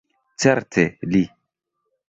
Certe, li.